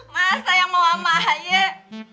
masa yang mau ama ayah